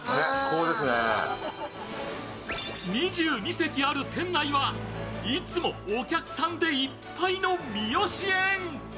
席ある店内はいつもお客さんでいっぱいの三好苑。